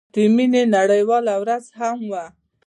د مينې نړيواله ورځ هم وه.